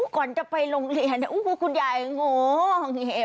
ก่อนจะไปโรงเรียนของคุณยายโอ้โฮเห้ย